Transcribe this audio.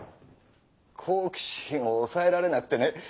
好奇心をおさえられなくてね。